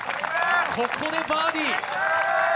ここでバーディー！